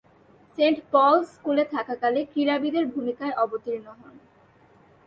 Saint Paul's স্কুলে থাকাকালে ক্রীড়াবিদের ভূমিকায় অবতীর্ণ হন।